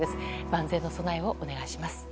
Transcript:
万全の備えをお願いします。